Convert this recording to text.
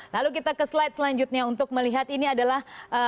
lalu kita ke slide selanjutnya untuk melihat ini adalah